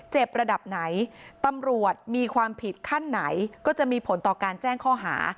ระดับไหนตำรวจมีความผิดขั้นไหนก็จะมีผลต่อการแจ้งข้อหา